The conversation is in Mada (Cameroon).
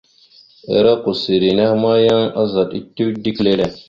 Ere kousseri nehe ma, yan azaɗ etew dik lele.